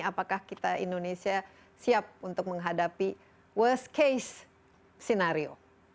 apakah kita indonesia siap untuk menghadapi worst case scenario